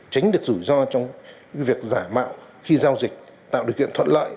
tránh được rủi ro trong việc giả mạo khi giao dịch tạo điều kiện thuận lợi